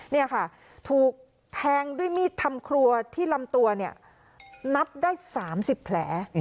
นี่ค่ะถูกแทงด้วยมีดทำครัวที่ลำตัวเนี่ยนับได้๓๐แผล